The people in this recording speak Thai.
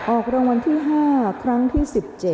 ออกรางวัลที่๕ครั้งที่๑๗